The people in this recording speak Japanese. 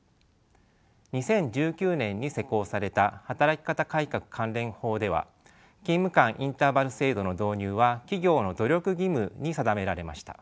２０１９年に施行された働き方改革関連法では勤務間インターバル制度の導入は企業の努力義務に定められました。